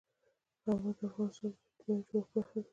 هوا د افغانستان د اجتماعي جوړښت برخه ده.